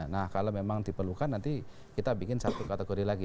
nah kalau memang diperlukan nanti kita bikin satu kategori lagi